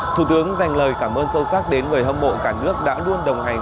thủ tướng dành lời cảm ơn sâu sắc đến người hâm mộ cả nước đã luôn đồng hành